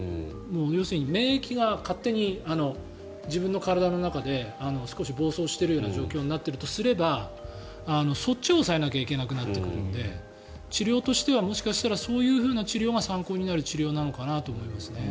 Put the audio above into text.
要するに免疫が勝手に自分の体の中で少し暴走している状況になっているとすればそっちを抑えなきゃいけなくなってくるので治療としてはもしかしたらそういうふうな治療が参考になる治療なのかもしれませんね。